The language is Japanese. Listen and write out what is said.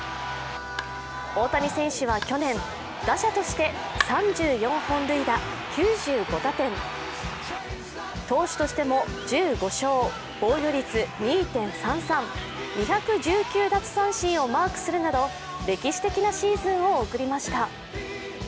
大谷選手は去年、打者として３４本塁打９５打点、投手としても１５勝、防御率２．３３、２１９奪三振をマークするなど歴史的なシーズンを送りました。